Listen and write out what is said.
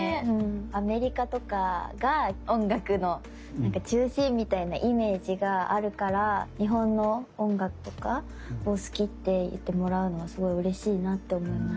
アメリカとかが音楽の中心みたいなイメージがあるから日本の音楽とかを好きって言ってもらうのはすごいうれしいなって思います。